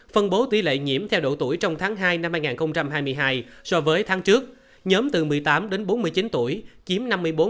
phân bố tỷ lệ nhiễm theo độ tuổi trong tháng hai năm hai nghìn hai mươi hai so với tháng trước nhóm từ một mươi tám đến bốn mươi chín tuổi chiếm năm mươi bốn bốn